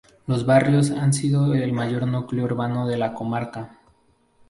Los Barrios han sido el mayor núcleo urbano de la Comarca.